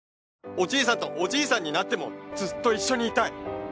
おじいさんとおじいさんになってもずっと一緒にいたい。